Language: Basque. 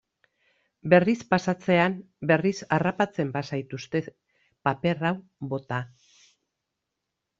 Berriz pasatzean berriz harrapatzen bazaituzte, paper hau bota.